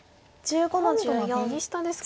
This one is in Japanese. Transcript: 今度は右下ですか。